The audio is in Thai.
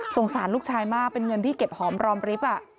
สารลูกชายมากเป็นเงินที่เก็บหอมรอมริฟท์